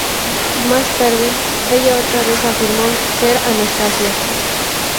Más tarde, ella otra vez afirmó ser Anastasia.